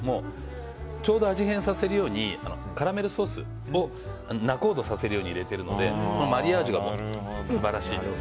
ちょうど味変させるようにカラメルソースを仲人させるように入れているので、そのマリアージュが素晴らしいです。